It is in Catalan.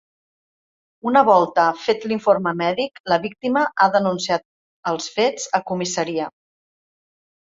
Una volta fet l’informe mèdic, la víctima ha denunciat els fets a comissaria.